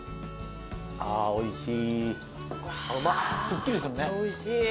おいしい！